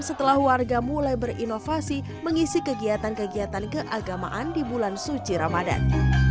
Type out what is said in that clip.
setelah warga mulai berinovasi mengisi kegiatan kegiatan keagamaan di bulan suci ramadan